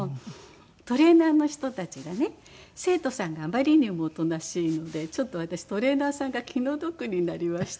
トレーナーの人たちがね生徒さんがあまりにもおとなしいのでちょっと私トレーナーさんが気の毒になりましてね。